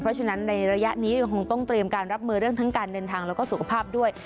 เพราะฉะนั้นในระยะนี้ยังคงต้องเตรียมการรับมือเรื่องทั้งการเดินทางแล้วก็สุขภาพด้วย